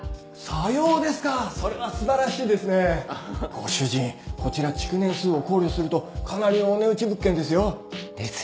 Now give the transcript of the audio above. ご主人こちら築年数を考慮するとかなりお値打ち物件ですよ。ですよね。